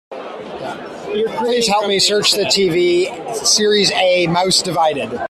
Please help me search the TV series A Mouse Divided.